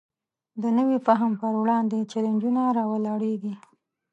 د نوي فهم پر وړاندې چلینجونه راولاړېږي.